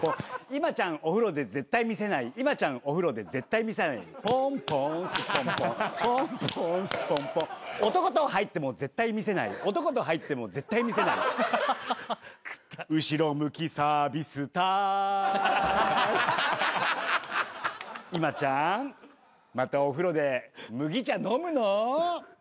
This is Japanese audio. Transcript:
「今ちゃんお風呂で絶対見せない」「今ちゃんお風呂で絶対見せない」「ぽんぽんすっぽんぽんぽんぽんすっぽんぽん」「男と入っても絶対見せない男と入っても絶対見せない」「後ろ向きサービスターイム」「今ちゃんまたお風呂で麦茶飲むの？」